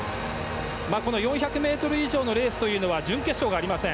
この４００ｍ以上のレースというのは準決勝がありません。